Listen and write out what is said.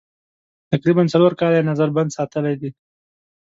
تقریباً څلور کاله یې نظر بند ساتلي دي.